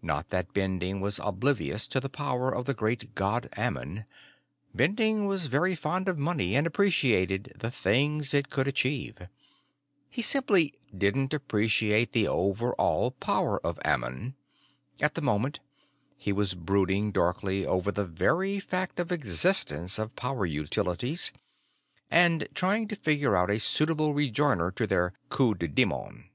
Not that Bending was oblivious to the power of the Great God Ammon; Bending was very fond of money and appreciated the things it could achieve. He simply didn't appreciate the over all power of Ammon. At the moment, he was brooding darkly over the very fact of existence of Power Utilities, and trying to figure out a suitable rejoinder to their coup de démon.